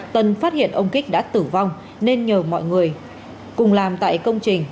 tân phát hiện ông kích đã tử vong nên nhờ mọi người cùng làm tại công trình